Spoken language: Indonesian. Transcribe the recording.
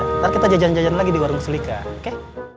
ntar kita jajan jajan lagi di warung selika oke